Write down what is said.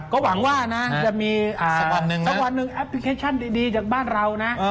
ก็หวังว่าจะมีแอปพลิเคชันดีจากบ้านเรา